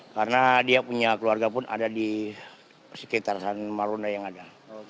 karena dia punya keluarga pun ada di sekitar san maruna yang ada